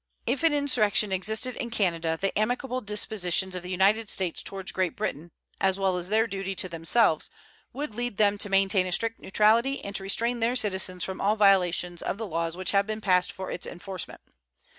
If an insurrection existed in Canada, the amicable dispositions of the United States toward Great Britain, as well as their duty to themselves, would lead them to maintain a strict neutrality and to restrain their citizens from all violations of the laws which have been passed for its enforcement.